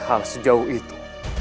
hal sejauh itu